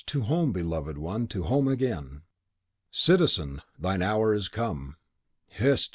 to home, beloved one, to home again!" "Citizen, thine hour is come!" "Hist!